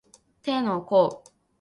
手の甲